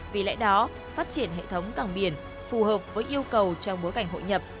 vì lẽ đó phát triển hệ thống cảng biển phù hợp với yêu cầu trong bối cảnh hội nhập